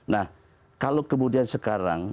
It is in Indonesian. nah kalau kemudian sekarang